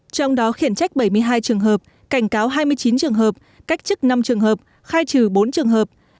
trong đó khiển trách bảy mươi hai trường hợp cảnh cáo hai mươi chín trường hợp cách chức năm trường hợp khai trừ bốn trường hợp